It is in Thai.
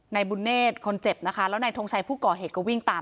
นายบุญเนธคนเจ็บนะคะแล้วนายทงชัยผู้ก่อเหตุก็วิ่งตาม